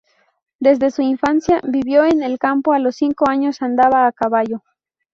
Desde su infancia vivió en el campo, a los cinco años andaba a caballo.